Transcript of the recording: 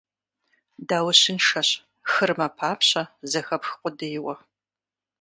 Даущыншэщ, хыр мэпапщэ, зэхэпх къудейуэ.